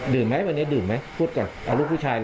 ดื่มไหมวันนี้ดื่มไหมพูดกันเอาลูกผู้ชายเลย